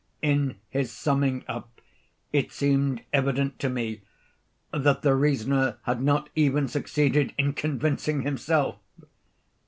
In his summing up it seemed evident to me that the reasoner had not even succeeded in convincing himself.